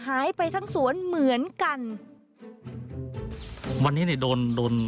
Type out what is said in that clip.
หายไปทั้งสวนเหมือนกัน